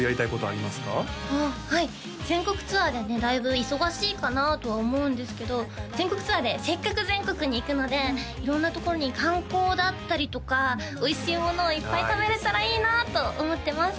あっはい全国ツアーでねだいぶ忙しいかなとは思うんですけど全国ツアーでせっかく全国に行くので色んなところに観光だったりとかおいしいものをいっぱい食べれたらいいなと思ってます